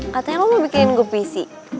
katanya lo mau bikinin gue pc